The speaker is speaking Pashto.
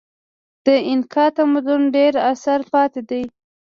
د اینکا تمدن ډېر اثار پاتې دي.